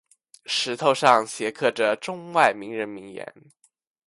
石头上镌刻着中外名人名言。